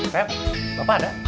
fem bapak ada